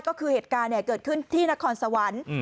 ก็คือเหตุการณ์เกิดขึ้นที่นครสวรรค์